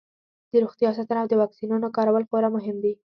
د روغتیا ساتنه او د واکسینونو کارول خورا مهم دي.